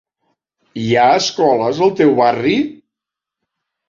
Hi ha escoles al teu barri?